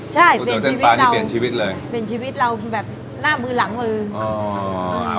ใช่เปลี่ยนชีวิตเราเปลี่ยนชีวิตเราแบบหน้ามือหลังเลย